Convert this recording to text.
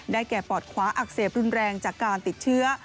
แก่ปอดขวาอักเสบรุนแรงจากการติดเชื้อ